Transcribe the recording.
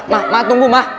ma ma ma tunggu ma